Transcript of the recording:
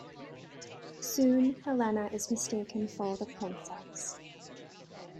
Soon Helena is mistaken for the Princess.